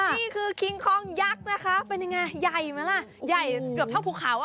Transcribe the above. นี่คือคิงคองยักษ์นะคะเป็นยังไงใหญ่ไหมล่ะใหญ่เกือบเท่าภูเขาอ่ะ